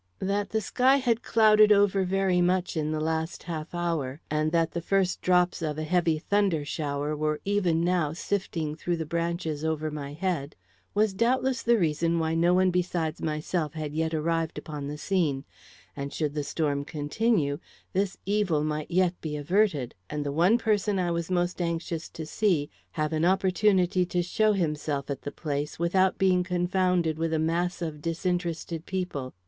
That the sky had clouded over very much in the last half hour, and that the first drops of a heavy thunder shower were even now sifting through the branches over my head, was doubtless the reason why no one besides myself had yet arrived upon the scene; and, should the storm continue, this evil might yet be averted, and the one person I was most anxious to see, have an opportunity to show himself at the place, without being confounded with a mass of disinterested people.